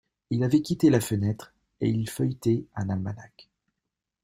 Il avait quitté la fenêtre, et il feuilletait un almanach.